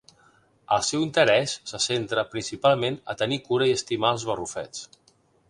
El seu interès se centra, principalment, a tenir cura i estimar els barrufets.